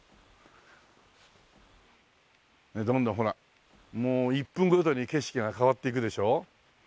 どんどんほらもう１分後ごとに景色が変わっていくでしょう？